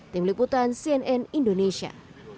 tim liputan cnn indonesia